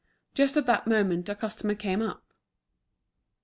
Just at that moment a customer came up.